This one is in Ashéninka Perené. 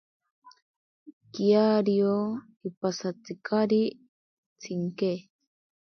Kiario ipasatzikari tsinke.